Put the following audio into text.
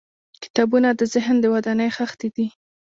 • کتابونه د ذهن د ودانۍ خښتې دي.